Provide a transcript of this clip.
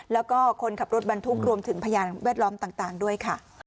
แล้วก็คนขับรถบรรทุกรวมถึงพยานแวดล้อมต่างด้วยค่ะ